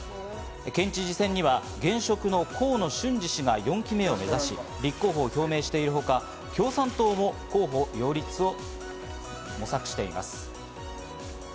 県知事選には現職の河野俊嗣氏が４期目を目指し立候補を表明しているほか、共産党も候補擁立を模索しています。